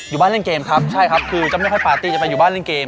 อยู่บ้านเล่นเกมครับใช่ครับคือจะไม่ค่อยปาร์ตี้จะไปอยู่บ้านเล่นเกม